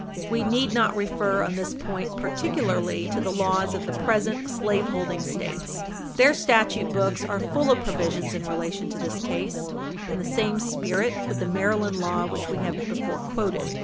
We need not refer on this point particularly to the laws of the present slaveholding States. Their statute books are full of provisions in relation to this class in the same spirit with the Maryland law which we have before quoted.